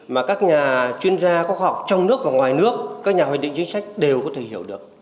mà các nhà chuyên gia các học trong nước và ngoài nước các nhà hoạch định chính sách đều có thể hiểu được